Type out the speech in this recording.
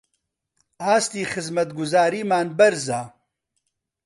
ئاستی خزمەتگوزاریمان بەرزە